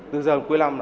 từ giờ cuối năm